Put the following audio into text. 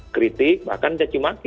kritik bahkan cacimaki